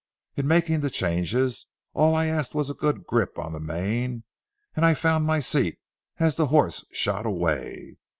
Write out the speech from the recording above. In making the changes, all I asked was a good grip on the mane, and I found my seat as the horse shot away.